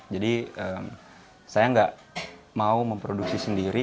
jadi saya nggak mau memproduksi sendiri